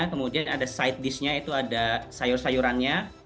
kemudian ada side disknya itu ada sayur sayurannya